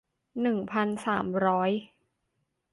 หนึ่งพันสามร้อย